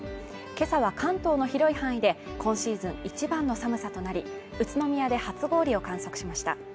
今朝は関東の広い範囲で今シーズン一番の寒さとなり宇都宮で初氷を観測しました